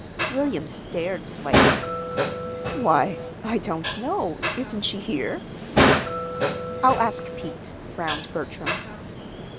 William stared slightly. "Why, I don't know. Isn't she here?" "I'll ask Pete," frowned Bertram.